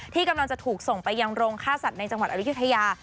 ที่กำลังจะถูกส่งไปยังโรงฆ่าสัตว์ในจังหวัดอายุทยา